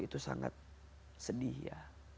itu sangat sedih ya